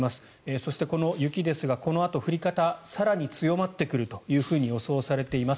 そしてこの雪ですがこのあと降り方が更に強まってくることが予想されています。